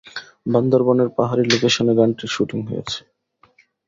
বান্দরবানের পাহাড়ি লোকেশনে গানটির শুটিং হয়েছে।